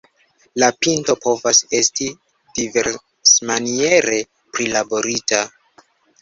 La pinto povas esti diversmaniere prilaborita.